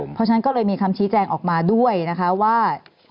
เพราะฉะนั้นก็เลยมีคำชี้แจงออกมาด้วยนะคะว่า